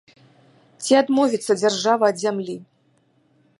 Ці адмовіцца дзяржава ад зямлі?